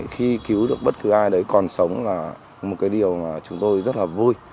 khi cứu được bất cứ ai đấy còn sống là một cái điều mà chúng tôi rất là vui